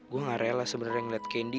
gue gak rela sebenernya ngeliat candy